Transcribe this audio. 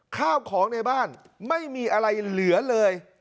ข้าวของในบ้านไม่มีอะไรเหลือเลย